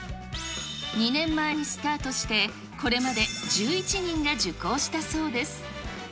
２年前にスタートして、これまで１１人が受講したそうです。